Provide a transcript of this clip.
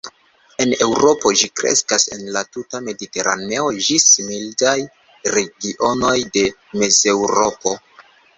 En Eŭropo ĝi kreskas en la tuta mediteraneo ĝis mildaj regionoj de Mezeŭropo.